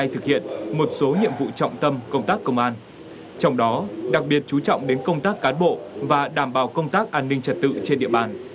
trong đó đặc biệt chú trọng đến công tác cán bộ và đảm bảo công tác an ninh trật tự trên địa bàn